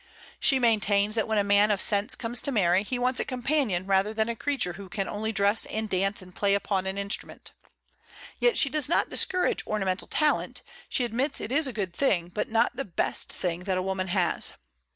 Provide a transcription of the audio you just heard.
She maintains that when a man of sense comes to marry, he wants a companion rather than a creature who can only dress and dance and play upon an instrument. Yet she does not discourage ornamental talent; she admits it is a good thing, but not the best thing that a woman has.